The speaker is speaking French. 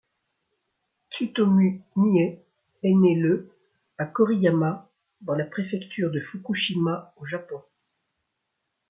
Tsutomu Nihei est né le à Kōriyama dans la préfecture de Fukushima au Japon.